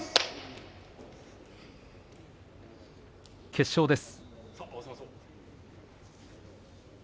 決勝です。